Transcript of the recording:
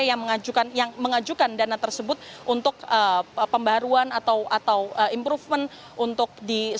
yang mengajukan dana tersebut untuk pembaruan atau improvement untuk di